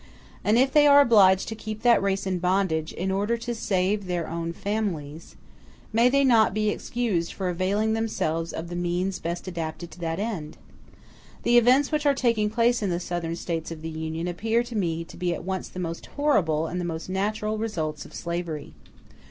And if they are obliged to keep that race in bondage in order to save their own families, may they not be excused for availing themselves of the means best adapted to that end? The events which are taking place in the Southern States of the Union appear to me to be at once the most horrible and the most natural results of slavery.